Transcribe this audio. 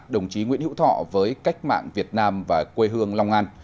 đồng chí nguyễn hữu thọ với cách mạng việt nam và quê hương long an